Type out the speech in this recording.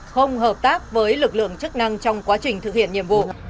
không hợp tác với lực lượng chức năng trong quá trình thực hiện nhiệm vụ